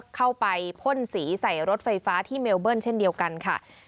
เข้าไปพ่นสีใส่รถไฟฟ้าที่เมลเบิ้ลเช่นเดียวกันค่ะ